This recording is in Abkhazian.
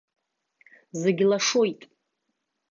Зегь лашоит.